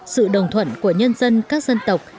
sự đồng thuận của nhân dân các dân tộc